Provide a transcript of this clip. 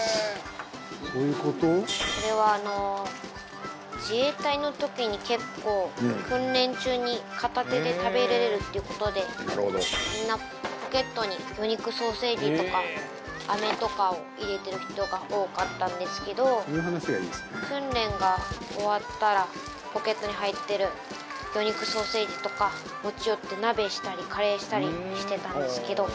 これはあの自衛隊の時に結構訓練中に片手で食べられるという事でみんなポケットに魚肉ソーセージとかあめとかを入れてる人が多かったんですけど訓練が終わったらポケットに入ってる魚肉ソーセージとか持ち寄って鍋したりカレーしたりしてたんですけど。